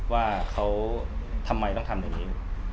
ว่าเขาทำไมต้องทำแบบนี้